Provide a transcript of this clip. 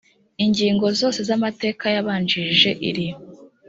ingingo zose z amateka yabanjirije iri